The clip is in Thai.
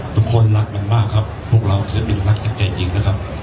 ทุกคนรักมันมากครับพวกเราเธอเป็นรักกับแกจริงนะครับ